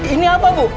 ini apa bu